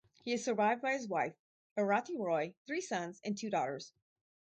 He is survived by his wife, Arati Roy, three sons, and two daughters.